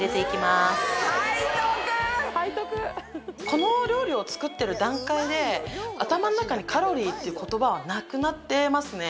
このお料理を作ってる段階で頭の中にカロリーっていう言葉はなくなってますね。